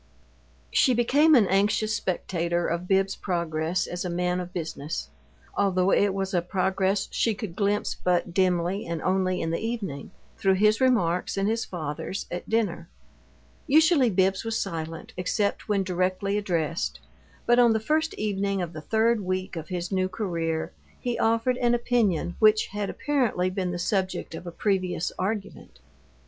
She became an anxious spectator of Bibbs's progress as a man of business, although it was a progress she could glimpse but dimly and only in the evening, through his remarks and his father's at dinner. Usually Bibbs was silent, except when directly addressed, but on the first evening of the third week of his new career he offered an opinion which had apparently been the subject of previous argument.